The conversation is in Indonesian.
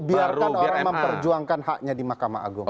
biarkan orang memperjuangkan haknya di mahkamah agung